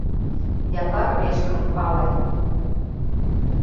Япар вешкым пале.